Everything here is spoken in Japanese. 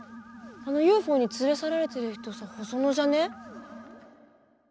あのＵＦＯに連れ去られてる人さ細野じゃねえ？